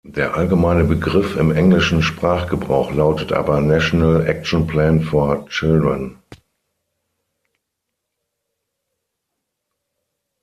Der allgemeine Begriff im englischen Sprachgebrauch lautet aber "National Action Plan for Children".